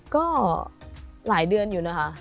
ก็หลายเดือนอยู่นะคะ